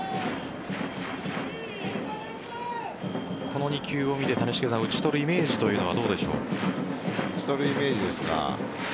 この２球を見て打ち取るイメージというのは打ち取るイメージですか。